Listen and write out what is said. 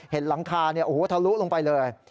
หลังคาทะลุลงไปเลย